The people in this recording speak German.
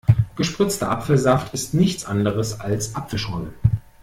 Gespritzter Apfelsaft ist nichts anderes als Apfelschorle.